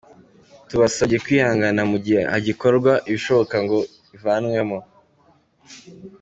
Tubasabye kwihangana mu gihe hagikorwa ibishoboka ngo ivanwemo.